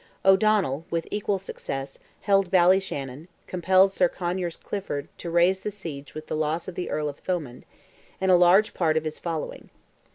O'Donnell, with equal success, held Ballyshannon, compelled Sir Conyers Clifford to raise the siege with the loss of the Earl of Thomond, and a large part of his following.